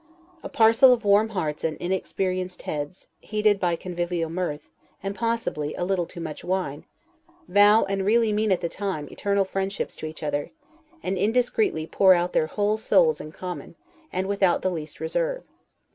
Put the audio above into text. A parcel of warm hearts and inexperienced heads, heated by convivial mirth, and possibly a little too much wine, vow, and really mean at the time, eternal friendships to each other, and indiscreetly pour out their whole souls in common, and without the least reserve.